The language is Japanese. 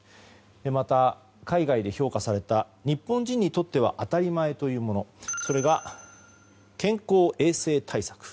また、海外で評価された日本人にとっては当たり前というものそれが健康衛生対策。